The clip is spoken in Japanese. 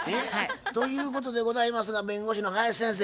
ということでございますが弁護士の林先生